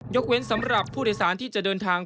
เว้นสำหรับผู้โดยสารที่จะเดินทาง